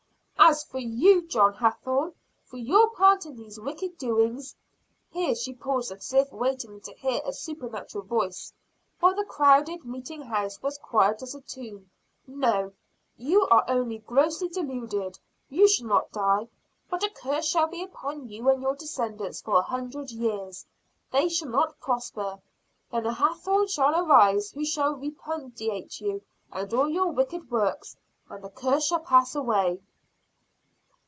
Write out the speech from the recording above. "As for you, John Hathorne, for your part in these wicked doings," here she paused as if waiting to hear a supernatural voice, while the crowded meeting house was quiet as a tomb "No! you are only grossly deluded; you shall not die. But a curse shall be upon you and your descendants for a hundred years. They shall not prosper. Then a Hathorne shall arise who shall repudiate you and all your wicked works, and the curse shall pass away!"